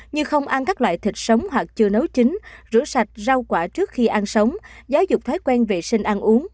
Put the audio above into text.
như không ăn các loại thịt sống hoặc chưa nấu chín rửa sạch rau quả trước khi ăn sống giáo dục thói quen vệ sinh ăn uống